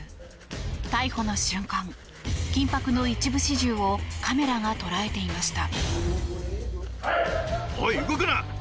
逮捕の瞬間、緊迫の一部始終をカメラが捉えていました。